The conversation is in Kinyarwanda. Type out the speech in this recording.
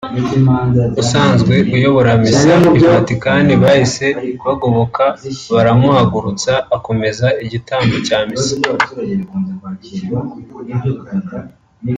usanzwe uyobora Misa i Vatican bahise bagoboka baramuhagurutsa akomeza igitambo cya misa